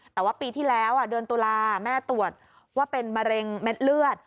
แต่ว่าปีที่แล้วเดือนตุลาแม่ตรวจว่าเป็นมะเร็งเม็ดเลือด